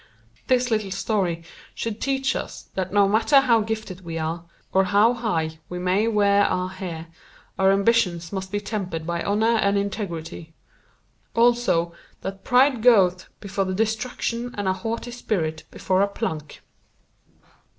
This little story should teach us that no matter how gifted we are, or how high we may wear our hair, our ambitions must be tempered by honor and integrity; also that pride goeth before destruction and a haughty spirit before a plunk.